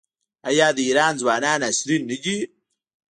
آیا د ایران ځوانان عصري نه دي؟